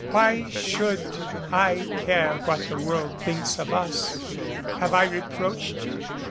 Why should I care what the world thinks of us? Have I reproached you?